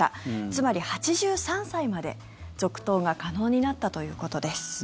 つまり、８３歳まで続投が可能になったということです。